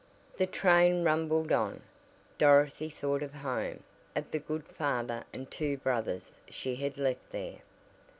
The train rumbled on. Dorothy thought of home, of the good father and two dear brothers she had left there.